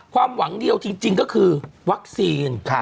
ความหวังเดียวจริงก็คือวัคซีน